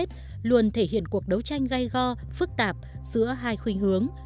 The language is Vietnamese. phong trào không liên kết luôn thể hiện cuộc đấu tranh gây go phức tạp giữa hai khuyên hướng